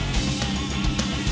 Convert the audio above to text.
terima kasih chandra